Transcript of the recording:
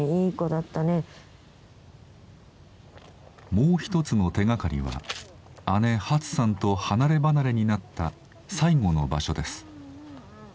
もう一つの手がかりは姉ハツさんと離れ離れになった最後の場所です。